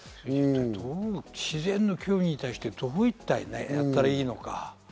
自然の脅威に対してどうやったらいいのか。